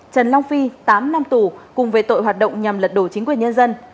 trần long phi tám năm tù cùng về tội hoạt động nhằm lật đổ chính quyền nhân dân